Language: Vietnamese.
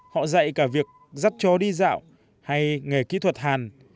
họ dạy cả việc dắt chó đi dạo hay nghề kỹ thuật hàn